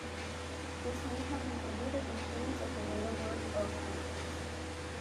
This may have been under the influence of the later work of Rubens.